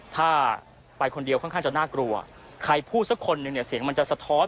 ถ้าไปคนเดียวค่อนข้างจะน่ากลัวใครพูดสักคนหนึ่งเนี่ยเสียงมันจะสะท้อน